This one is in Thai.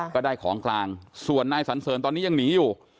ก็ได้ของกลางส่วนนายสันเสริญตอนนี้ยังหนีอยู่